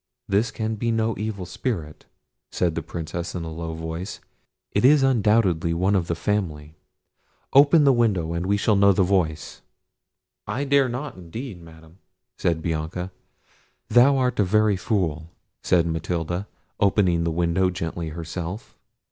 "This can be no evil spirit," said the Princess, in a low voice; "it is undoubtedly one of the family—open the window, and we shall know the voice." "I dare not, indeed, Madam," said Bianca. "Thou art a very fool," said Matilda, opening the window gently herself.